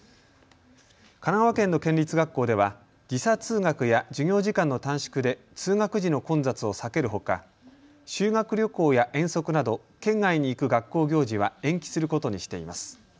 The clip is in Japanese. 神奈川県の県立学校では時差通学や授業時間の短縮で通学時の混雑を避けるほか修学旅行や遠足など、県外に行く学校行事は延期することにしています。